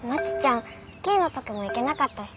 スキーの時も行けなかったしさ。